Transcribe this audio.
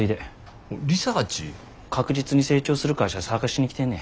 確実に成長する会社探しに来てんねん。